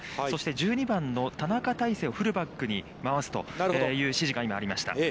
そして１２番の田中大誠をフルバックに回すという指示が今ありました。